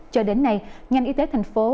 cho đến nay ngành y tế thành phố